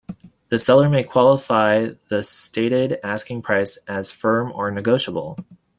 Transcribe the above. The seller may qualify the stated asking price as firm or negotiable.